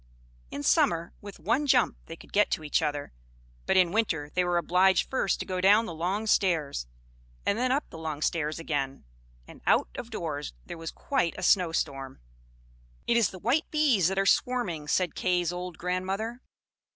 In summer, with one jump, they could get to each other; but in winter they were obliged first to go down the long stairs, and then up the long stairs again: and out of doors there was quite a snow storm. "It is the white bees that are swarming," said Kay's old grandmother.